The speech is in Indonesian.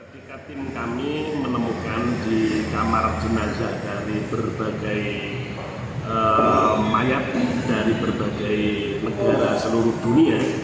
jika tim kami menemukan di kamar jenazah dari berbagai mayat dari berbagai negara seluruh dunia